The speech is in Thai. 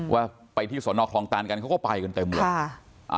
ว่าไปที่สนคลองตานกันเขาก็ไปกันเต็มเลย